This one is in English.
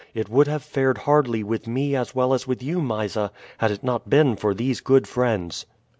It would have fared hardly with me as well as with you, Mysa, had it not been for these good friends."